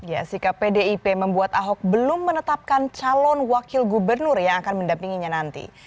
ya sikap pdip membuat ahok belum menetapkan calon wakil gubernur yang akan mendampinginya nanti